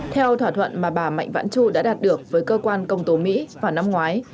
theo thỏa thuận mà bà mạnh vãn chu đã đạt được với cơ quan công tố mỹ vào năm ngoái